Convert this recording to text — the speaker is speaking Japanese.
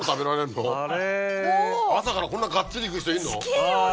朝からこんながっつりいく人いるの？